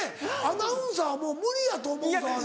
アナウンサーはもう無理やと思うぞ。